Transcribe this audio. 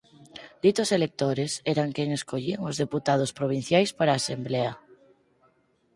Ditos electores eran quen escollían os deputados provinciais para a asemblea.